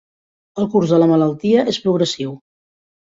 El curs de la malaltia és progressiu.